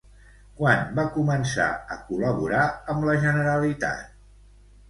Quan va començar a col·laborar amb la Generalitat?